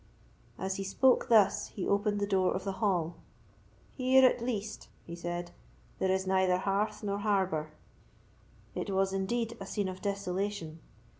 As he spoke thus, he opened the door of the hall. "Here, at least," he said, "there is neither hearth nor harbour." It was indeed a scene of desolation.